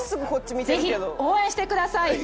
ぜひ応援してください！